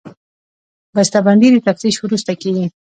بسته بندي د تفتیش وروسته کېږي.